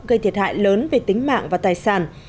gây thiệt hại lớn về tính mạng và tài sản